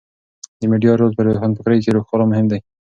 د میډیا رول په روښانفکرۍ کې خورا مهم دی.